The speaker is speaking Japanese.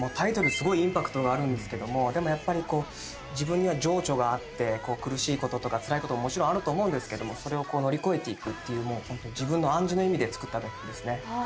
すごいインパクトがあるんですけどでもやっぱり自分には情緒があって苦しいこととかつらいことももちろんあると思うんですけどそれを乗り越えていくっていう自分の暗示の意味で作った楽曲ですね。